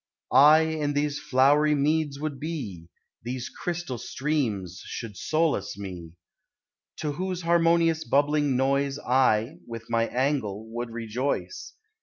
I in these flowery meads would be. These crystal streams should solace me; To whose harmonious bubbling noise I. with my angle, would rejoice.